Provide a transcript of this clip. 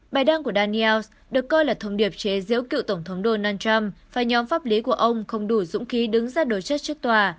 bài đăng của daniels được coi là thông điệp chế diễu cựu tổng thống donald trump và nhóm pháp lý của ông không đủ dũng khí đứng ra đối chất trước tòa